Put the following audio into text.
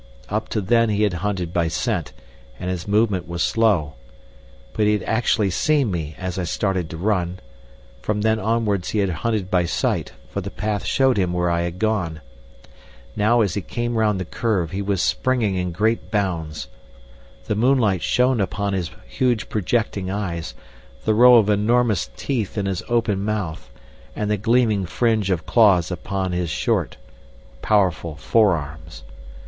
Up to then he had hunted by scent, and his movement was slow. But he had actually seen me as I started to run. From then onwards he had hunted by sight, for the path showed him where I had gone. Now, as he came round the curve, he was springing in great bounds. The moonlight shone upon his huge projecting eyes, the row of enormous teeth in his open mouth, and the gleaming fringe of claws upon his short, powerful forearms.